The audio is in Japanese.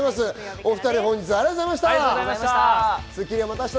お２人本日ありがとうございました。